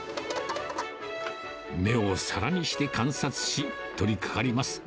目を皿にして観察し、取りかかります。